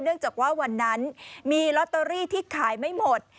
จากว่าวันนั้นมีลอตเตอรี่ที่ขายไม่หมด